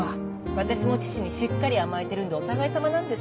私も父にしっかり甘えてるんでお互いさまなんです。